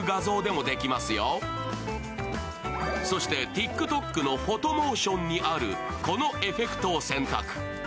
そして、ＴｉｋＴｏｋのフォトモーションにある、このエフェクトを選択。